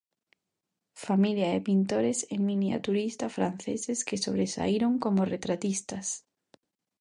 Familia de pintores e miniaturistas franceses que sobresaíron como retratistas.